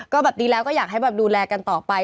ก็ดีแล้วก็อยากให้ดูแลกันต่อไป